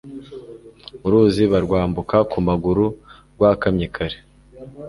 uruzi barwambuka ku maguru rwakamye kare